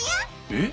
えっ？